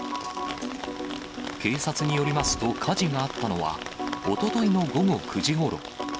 警察によりますと、火事があったのは、おとといの午後９時ごろ。